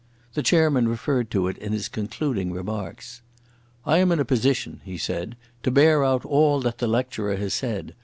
The chairman referred to it in his concluding remarks. "I am in a position," he said, "to bear out all that the lecturer has said.